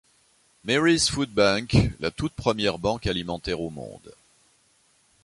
Mary's foodbank, la toute première banque alimentaire au monde.